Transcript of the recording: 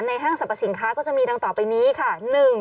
ห้างสรรพสินค้าก็จะมีดังต่อไปนี้ค่ะ